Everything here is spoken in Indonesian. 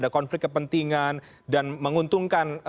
konflik kepentingan dan menguntungkan